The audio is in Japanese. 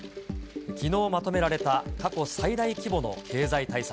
きのうまとめられた過去最大規模の経済対策。